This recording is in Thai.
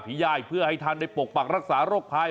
ผียายเพื่อให้ทันใบปกปักรักษารกภาย